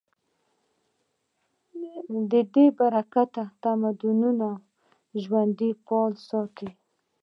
د دې له برکته تمدنونه ژوندي پاتې شوي.